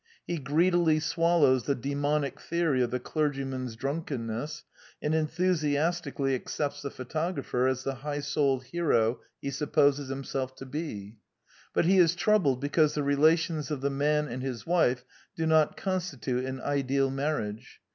He greedily swallows the daimonic theory of the clergyman's drunkenness, and enthusiastically ac cepts the photographer as the high souled hero he supposes himself to be; but he is troubled because the relations of the man and his wife do not constitute an ideal marriage.